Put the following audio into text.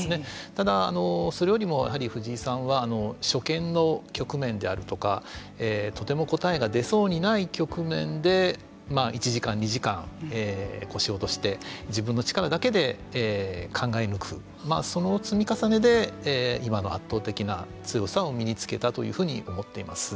ただそれよりもやはり藤井さんは初見の局面であるとかとても答えが出そうにない局面で１時間２時間腰を落として自分の力だけで考え抜くその積み重ねで今の圧倒的な強さを身につけたというふうに思っています。